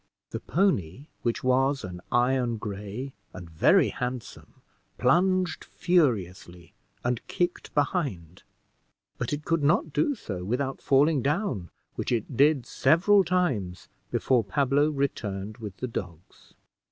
The pony, which was an iron gray and very handsome, plunged furiously and kicked behind, but it could not do so without falling down, which it did several times before Pablo returned with the dogs.